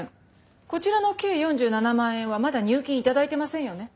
こちらの計４７万円はまだ入金頂いてませんよね？